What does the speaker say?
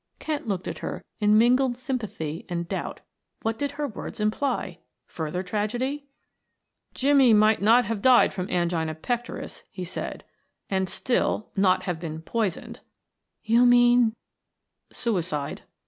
Kent looked at her in mingled sympathy and doubt. What did her words imply further tragedy? "Jimmie might not have died from angina pectoris," he said, "and still not have been poisoned " "You mean " "Suicide."